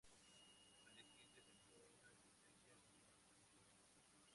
Al día siguiente pensó una estrategia aún más ingeniosa.